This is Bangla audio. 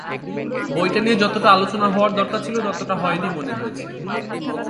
বইটা নিয়ে যতটা আলোচনা হওয়ার দরকার ছিল, ততটা হয়নি মনে হয়েছে।